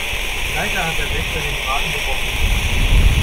Leider hat der Wächter den Braten gerochen.